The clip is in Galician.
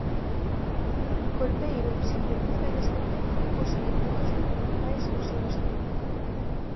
Colmeiro sintetiza neste tempo os elementos fundamentais do seu estilo.